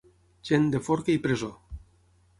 Gent de forca i presó.